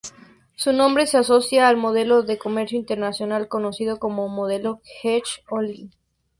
Su nombre se asocia al modelo de comercio internacional conocido como modelo Heckscher-Ohlin.